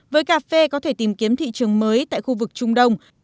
với cà phê có thể tìm kiếm thị trường mới tại khu vực trung đông